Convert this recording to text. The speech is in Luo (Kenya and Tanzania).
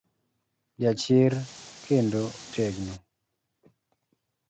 Jachir, kendo otegno.